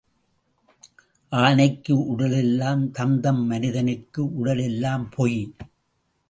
ஆனைக்கு உடல் எல்லாம் தந்தம் மனிதனுக்கு உடல் எல்லாம் பொய்.